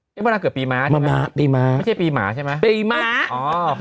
นี่มะนำเกือบปีม้าใช่มะไม่ใช่ปีหมาใช่มะปีหมาอ้าโอเค